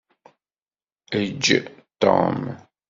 Eǧǧ Tom.